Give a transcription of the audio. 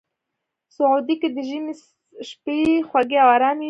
سعودي کې د ژمي شپې خوږې او ارامې وي.